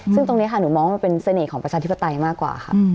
ซึ่งตรงนี้ค่ะหนูมองว่ามันเป็นเสน่ห์ของประชาธิปไตยมากกว่าค่ะ